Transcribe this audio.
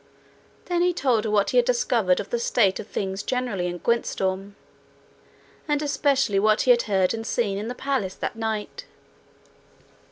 Then he told her what he had discovered of the state of things generally in Gwyntystorm, and especially what he had heard and seen in the palace that night.